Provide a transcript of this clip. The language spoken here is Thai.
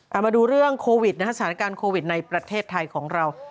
เอามาดูเรื่องโควิดนะฮะสถานการณ์โควิดในประเทศไทยของเรา